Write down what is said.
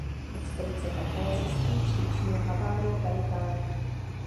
Expedice také zjistí příčinu havárie "Pelikána".